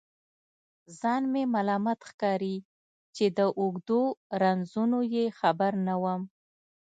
ځان مې ملامت ښکاري چې د اوږدو رنځونو یې خبر نه وم.